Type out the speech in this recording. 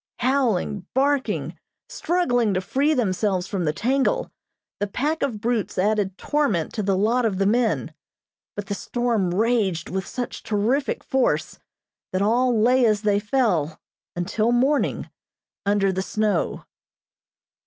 Howling, barking, struggling to free themselves from the tangle, the pack of brutes added torment to the lot of the men; but the storm raged with such terrific force that all lay as they fell, until morning, under the snow.